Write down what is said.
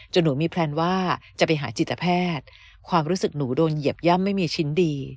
หนูมีแพลนว่าจะไปหาจิตแพทย์ความรู้สึกหนูโดนเหยียบย่ำไม่มีชิ้นดี